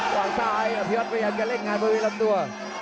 ขวางซ้ายอภิวัตพยายามจะเล่นงานบริเวณลำตัว